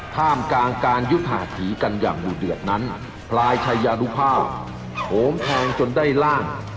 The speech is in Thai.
ท่ามกลางการยุดหาผีกันอย่างดูเดือดนั้นพลายชายานุภาพโหมแทงจนได้ล่าง